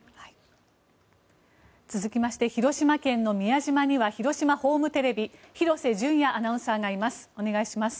続きまして広島県の宮島には広島ホームテレビ廣瀬隼也アナウンサーがいます。